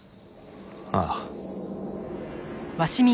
ああ。